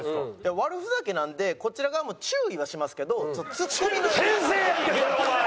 悪ふざけなんでこちら側も注意はしますけどツッコミは。